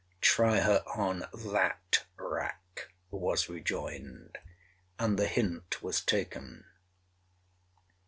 'Try her on that rack,' was rejoined, and the hint was taken.